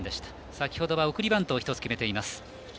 先ほど送りバントを決めています。